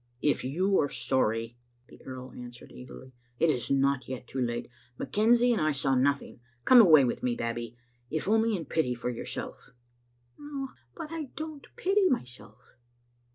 "If you are sorry," the earl answered eagerly, "it is not yet too late. McKenzie and I saw nothing. Come away with me. Babbie, if only in pity for yourself." " Ah, but I don't pity myself.